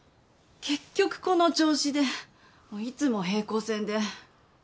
結局この調子でいつも平行線で。